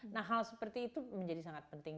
nah hal seperti itu menjadi sangat penting